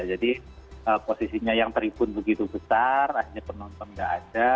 posisinya yang tribun begitu besar akhirnya penonton nggak ada